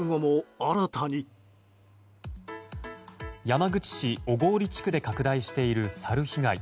山口県小郡地区で拡大しているサル被害。